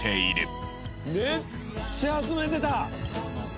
めっちゃ集めてた！